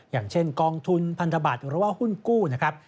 อย่างเช่นกองทุนพันธบัตรหรือว่าหุ้นกู้นะครับ